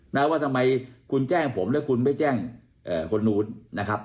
นะว่าทำไมคุณแจ้งผมแล้วคุณไม่แจ้งเอ่อคนนู้นนะครับ